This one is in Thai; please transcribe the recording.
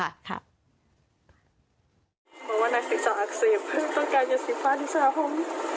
ว่านักศึกษาอักเสบต้องการอย่าสีฟ้าที่สระผม